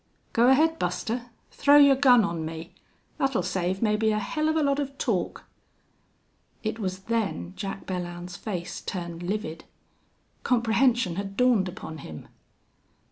"Go ahead, Buster. Throw your gun on me. That'll save maybe a hell of a lot of talk." It was then Jack Belllounds's face turned livid. Comprehension had dawned upon him.